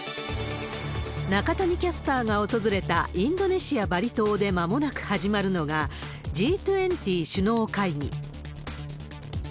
中谷キャスターが訪れたインドネシア・バリ島でまもなく始まるのが、Ｇ２０首脳会議。